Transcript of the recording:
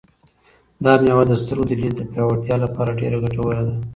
دا مېوه د سترګو د لید د پیاوړتیا لپاره ډېره ګټوره ده.